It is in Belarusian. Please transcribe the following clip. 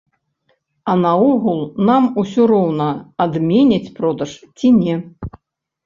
А наогул нам усё роўна, адменяць продаж ці не.